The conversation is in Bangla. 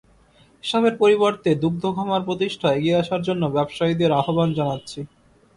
এসবের পরিবর্তে দুগ্ধ খামার প্রতিষ্ঠায় এগিয়ে আসার জন্য ব্যবসায়ীদের আহ্বান জানাচ্ছি।